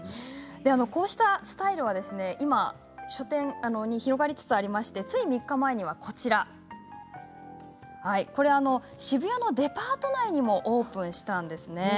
こうしたスタイルは今書店に広がりつつありましてつい３日前にはこれは渋谷のデパート内にもオープンしたんですね。